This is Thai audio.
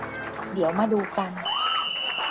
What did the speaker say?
เดี๋ยวมาดูกัน